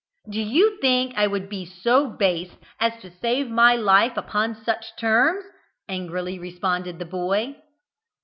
"Do you think I would be so base as to save my life upon such terms?" angrily responded the boy.